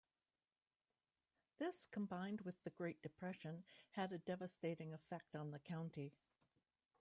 This, combined with the Great Depression, had a devastating effect on the county.